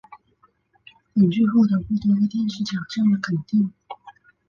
本剧获得过多个电视奖项的肯定。